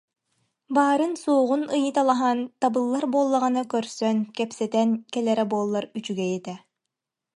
Баарын-суоҕун ыйыталаһан, табыллар буоллаҕына көрсөн, кэпсэтэн кэлэрэ буоллар үчүгэй этэ